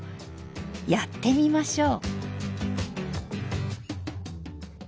やってみましょう。